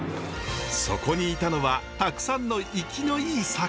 そこにいたのはたくさんの生きのいい魚たち。